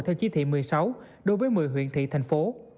theo chí thị một mươi sáu đối với một mươi huyện thị thành phố